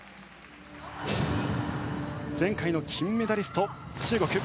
前回の金メダリスト中国。